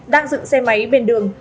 đang dựng xe máy bên đường